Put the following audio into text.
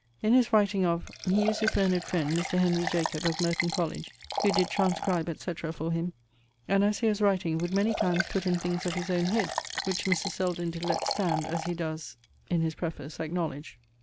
In his writing of ... he used his learned friend, Mr. Henry Jacob, of Merton College, who did transcribe etc. for him, and as he was writing, would many times putt in things of his owne head, which Mr. Selden did let stand, as he does, in his preface, acknowledge.